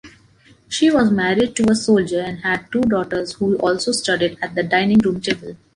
She was married to a soldier and had two daughters who also studied at the dining room table.